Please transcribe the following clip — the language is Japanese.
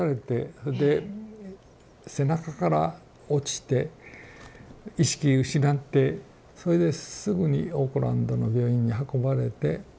それで背中から落ちて意識失ってそれですぐにオークランドの病院に運ばれて。